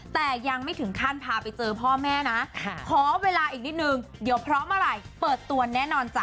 แต่ยังไม่ถึงขั้นพาไปเจอพ่อแม่นะขอเวลาอีกนิดนึงเดี๋ยวพร้อมเมื่อไหร่เปิดตัวแน่นอนจ้